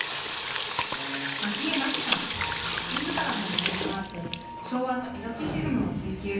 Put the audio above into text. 自らもモデルとなって昭和のエロティシズムを追求。